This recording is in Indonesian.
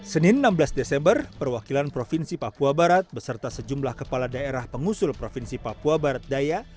senin enam belas desember perwakilan provinsi papua barat beserta sejumlah kepala daerah pengusul provinsi papua barat daya